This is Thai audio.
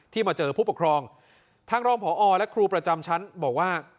มาเจอผู้ปกครองทางรองผอและครูประจำชั้นบอกว่า